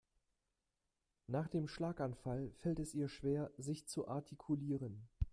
Nach dem Schlaganfall fällt es ihr schwer sich zu artikulieren.